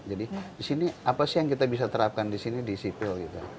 jadi di sini apa sih yang kita bisa terapkan di sini di sipil